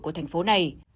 của thành phố này